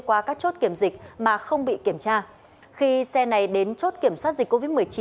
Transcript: qua các chốt kiểm dịch mà không bị kiểm tra khi xe này đến chốt kiểm soát dịch covid một mươi chín